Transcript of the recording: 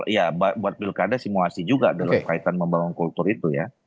ya buat pilkada simulasi juga dalam kaitan membangun kultur itu ya